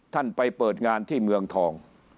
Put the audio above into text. ไปเปิดงานที่เมืองทอง